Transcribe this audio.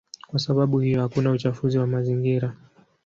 Kwa sababu hiyo hakuna uchafuzi wa mazingira.